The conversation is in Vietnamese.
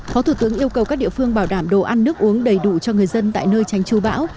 phó thủ tướng yêu cầu các địa phương bảo đảm đồ ăn nước uống đầy đủ cho người dân tại nơi tránh chú bão